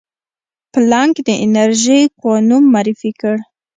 پلانک د انرژي کوانوم معرفي کړ.